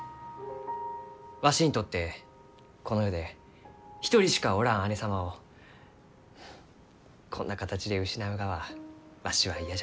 わしにとってこの世で一人しかおらん姉様をこんな形で失うがはわしは嫌じゃ。